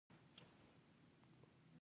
غول د ښځو د میاشتني حالت اثر لري.